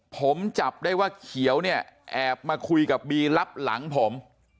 ผมจับได้ว่าเขียวเนี่ยแอบมาคุยกับบีรับหลังผม